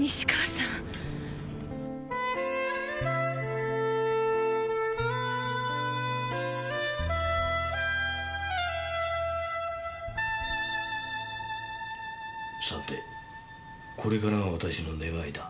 さてこれからは私の願いだ。